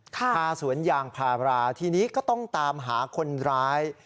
พาสวนยางพาราทีนี้ก็ต้องตามหาคนร้าย